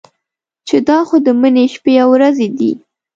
چې دا خو د مني شپې او ورځې دي.